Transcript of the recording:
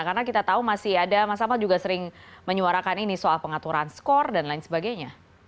karena kita tahu masih ada mas amal juga sering menyuarakan ini soal pengaturan skor dan lain sebagainya